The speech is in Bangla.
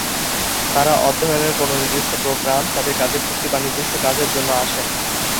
তারা অধ্যয়নের কোনও নির্দিষ্ট প্রোগ্রাম, তাদের কাজের চুক্তি বা নির্দিষ্ট কাজের জন্য আসেন।